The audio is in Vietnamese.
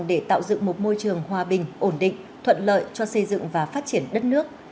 để tạo dựng một môi trường hòa bình ổn định thuận lợi cho xây dựng và phát triển đất nước